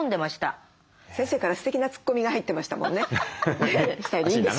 先生からすてきなツッコミが入ってましたもんね。